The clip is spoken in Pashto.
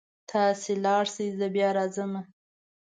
تاسې لاړ شئ زه بیا راځمه